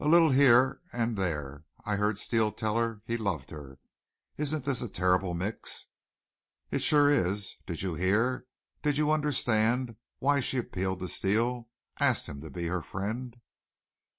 "A little, here and there. I heard Steele tell her he loved her. Isn't this a terrible mix?" "It sure is. Did you hear do you understand why she appealed to Steele, asked him to be her friend?"